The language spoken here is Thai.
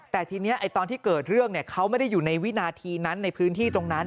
แต่ทีนี้ตอนที่เกิดเรื่องเขาไม่ได้อยู่ในวินาทีนั้นในพื้นที่ตรงนั้น